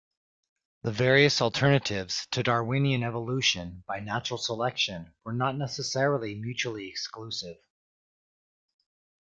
The various alternatives to Darwinian evolution by natural selection were not necessarily mutually exclusive.